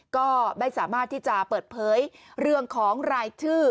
ก็ไม่สามารถที่จะเปิดเผยเรื่องของรายชื่อ